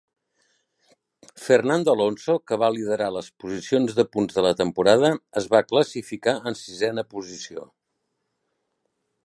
Fernando Alonso, que va liderar les posicions de punts de la temporada, es va classificar en sisena posició.